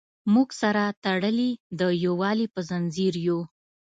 موږ سره تړلي د یووالي په زنځیر یو.